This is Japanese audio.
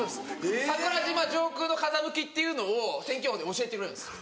桜島上空の風向きっていうのを天気予報で教えてくれるんです。